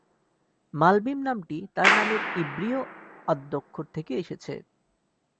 "মালবিম" নামটি তার নামের ইব্রীয় আদ্যক্ষর থেকে এসেছে।